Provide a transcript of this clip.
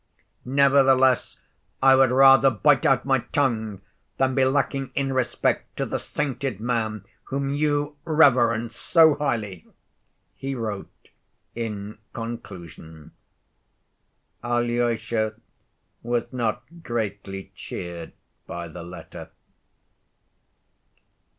"Nevertheless I would rather bite out my tongue than be lacking in respect to the sainted man whom you reverence so highly," he wrote in conclusion. Alyosha was not greatly cheered by the letter.